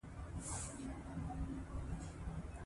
مزارشریف د افغانستان د اقلیم یوه خورا ځانګړې او مهمه ځانګړتیا ده.